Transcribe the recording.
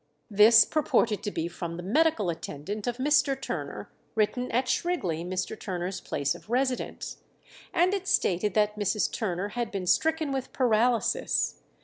This purported to be from the medical attendant of Mr. Turner, written at Shrigley, Mr. Turner's place of residence; and it stated that Mrs. Turner had been stricken with paralysis.